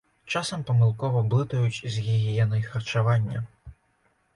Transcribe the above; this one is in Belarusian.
Часам памылкова блытаюць з гігіенай харчавання.